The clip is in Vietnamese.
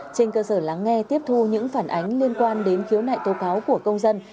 trên cơ sở lắng nghe tiếp thu những phản ánh liên quan đến khiếu nại tố cáo của công dân